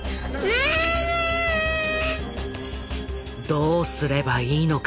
どうすればいいのか。